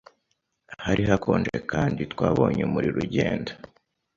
Hari hakonje kandi twabonye umuriro ugenda.